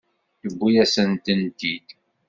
Yewwi-yasent-t-id.